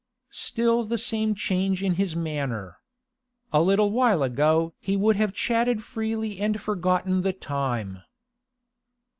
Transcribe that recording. Still the same change in his manner. A little while ago he would have chatted freely and forgotten the time.